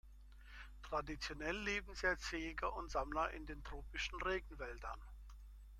Traditionell leben sie als Jäger und Sammler in den tropischen Regenwäldern.